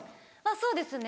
そうですね